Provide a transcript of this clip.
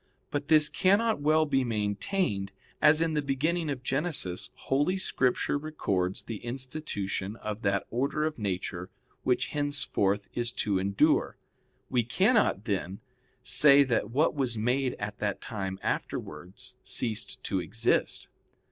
But this cannot well be maintained, as in the beginning of Genesis Holy Scripture records the institution of that order of nature which henceforth is to endure. We cannot, then, say that what was made at that time afterwards ceased to exist.